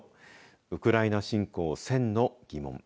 ウクライナ侵攻１０００のギモン。